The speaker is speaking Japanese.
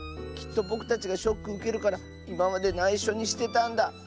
きっとぼくたちがショックうけるからいままでないしょにしてたんだ。